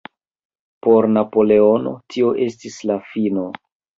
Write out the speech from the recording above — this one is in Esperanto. Por Napoleono tio estis la fino.